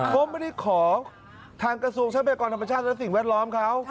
ก็ไม่ได้ขอทางกระทรวงทรัพยากรธรรมชาติและสิ่งแวดล้อมเขา